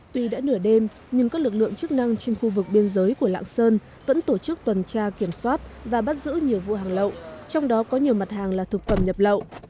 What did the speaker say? tuy đã nửa đêm nhưng các lực lượng chức năng trên khu vực biên giới của lạng sơn vẫn tổ chức tuần tra kiểm soát và bắt giữ nhiều vụ hàng lậu trong đó có nhiều mặt hàng là thực phẩm nhập lậu